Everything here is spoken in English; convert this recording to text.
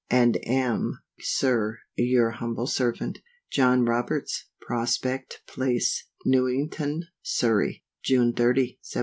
And am, Sir, your humble servant, JOHN ROBERTS. Prospect Place, Newington, Surry, June 30, 1794.